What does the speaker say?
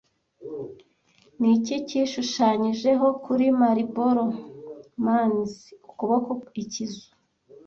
Niki cyishushanyijeho kuri Marlboro mans ukuboko Ikizu